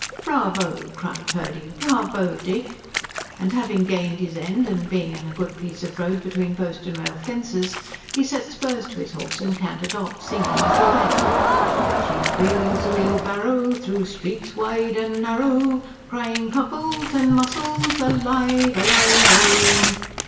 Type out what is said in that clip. "Bravo!" cried Purdy. "Bravo, Dick!" And having gained his end, and being on a good piece of road between post and rail fences, he set spurs to his horse and cantered off, singing as he went: SHE WHEELS A WHEELBARROW, THROUGH STREETS WIDE AND NARROW, CRYING COCKLES, AND MUSSELS, ALIVE, ALIVE OH!